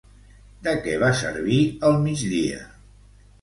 De què va servir el mig dia?